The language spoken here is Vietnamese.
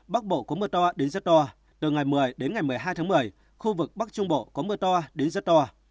bắc bộ có mưa to đến rất to từ ngày một mươi một mươi hai một mươi khu vực bắc trung bộ có mưa to đến rất to